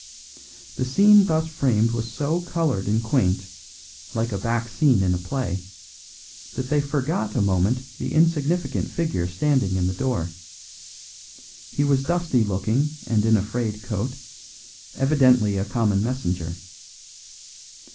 The scene thus framed was so coloured and quaint, like a back scene in a play, that they forgot a moment the insignificant figure standing in the door. He was dusty looking and in a frayed coat, evidently a common messenger.